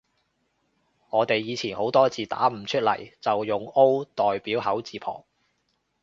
我哋以前好多字打唔出來，就用 O 代表口字旁